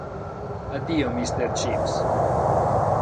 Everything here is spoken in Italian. Addio, Mr. Chips!